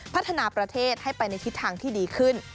พัฒนาประเทศให้ไปในทิศทางที่ดีขึ้น